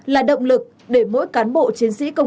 là động lực để mỗi cán bộ chiến sĩ công an hướng dẫn thủ tục